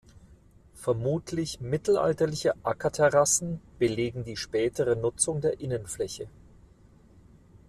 Vermutlich mittelalterliche Ackerterrassen belegen die spätere Nutzung der Innenfläche.